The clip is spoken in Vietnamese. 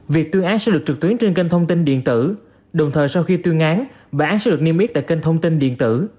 việc tuyên án sẽ được trực tuyến trên kênh thông tin điện tử đồng thời sau khi tuyên án bản án sẽ được niêm yết tại kênh thông tin điện tử